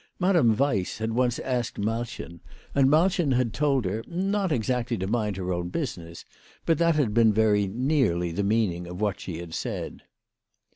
Madame Weiss had once asked Malchen, and Malchen had told her not exactly to mind her own business ; but that had been very nearly the meaning of what she had said.